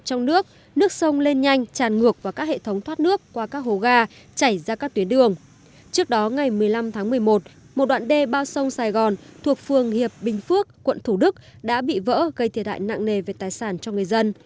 trước đó ngày một mươi năm tháng một mươi một một đoạn đê bao sông sài gòn thuộc phường hiệp bình phước quận thủ đức đã bị vỡ gây thiệt hại nặng nề về tài sản cho người dân